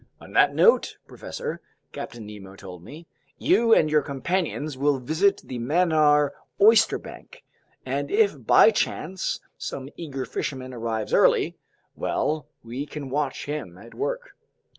"On that note, professor," Captain Nemo told me, "you and your companions will visit the Mannar oysterbank, and if by chance some eager fisherman arrives early, well, we can watch him at work."